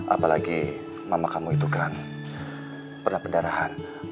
apalagi mama kamu itu kan pernah pendarahan